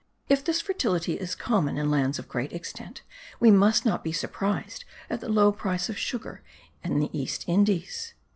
If this fertility is common in lands of great extent we must not be surprised at the low price of sugar in the East Indies.